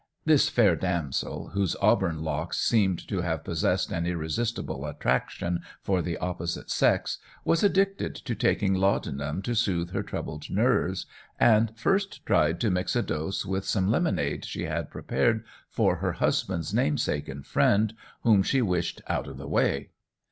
This fair damsel, whose auburn locks seemed to have possessed an irresistible attraction for the opposite sex, was addicted to taking laudanum to soothe her troubled nerves, and first tried to mix a dose with some lemonade she had prepared for her husband's namesake and friend, whom she wished out of the way.